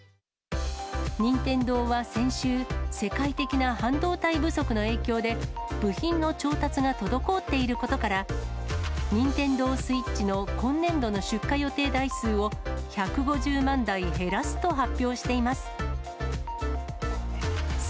任天堂は先週、世界的な半導体不足の影響で、部品の調達が滞っていることから、ニンテンドースイッチの今年度の出荷予定台数を１５０万台減らすと発表しています。